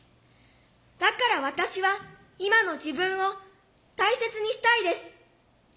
だから私は今の自分を大切にしたいです。